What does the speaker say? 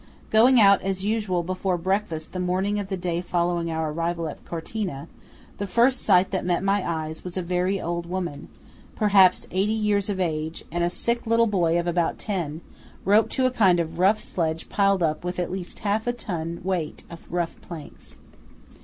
Going out, as usual, before breakfast the morning of the day following our arrival at Cortina, the first sight that met my eyes was a very old woman, perhaps eighty years of age, and a sick little boy of about ten, roped to a kind of rough sledge piled up with at least half a ton weight of rough planks.